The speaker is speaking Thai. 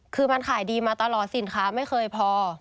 คือมันขายดีมาตลอดสินค้าไม่เคยพอ